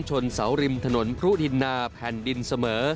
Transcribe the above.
ชนเสาริมถนนพรุดินนาแผ่นดินเสมอ